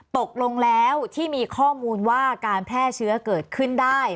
ตกลงแล้วที่มีข้อมูลว่าการแพร่เชื้อเกิดขึ้นได้